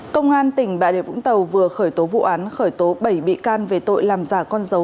công an tỉnh bà rịa vũng tàu vừa khởi tố vụ án khởi tố bảy bị can về tội làm giả con dấu